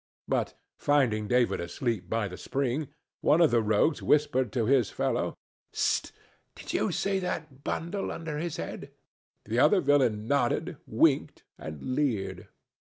But, finding David asleep by the spring, one of the rogues whispered to his fellow: "Hist! Do you see that bundle under his head?" The other villain nodded, winked and leered.